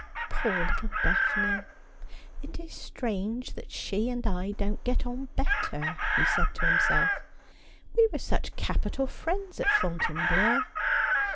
' Poor little Daphne ! It is strange that she and I don't get on better,' he said to himself. 'We were such capital friends at Fontainebleau.